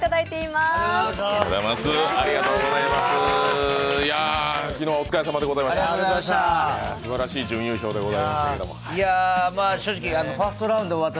すばらしい準優勝でございました。